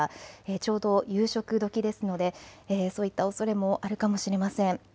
ちょうど夕食どきですのでそういったおそれもあるかもしれません。